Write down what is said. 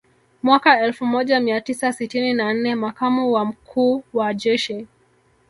Mwaka elfu moja mia tisa sitini na nne Makamu wa Mkuu wa Jeshi